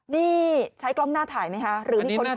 นี่ใช้กล้องหน้าถ่ายไหมฮะ